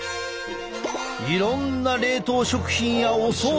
いろんな冷凍食品やお総菜。